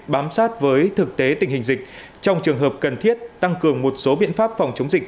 bám sát với thực tế tình hình dịch trong trường hợp cần thiết tăng cường một số biện pháp phòng chống dịch